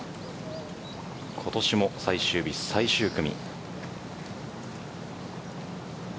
今年も最終日、最終組。